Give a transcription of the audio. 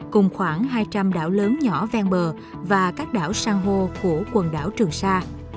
cùng khoảng hai trăm linh đảo lớn nhỏ ven bờ và các đảo san hô của quần đảo trường sa